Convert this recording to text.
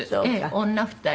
女２人。